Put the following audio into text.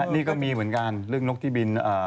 นี่ก็มีเหมือนกันเรื่องนกที่บิน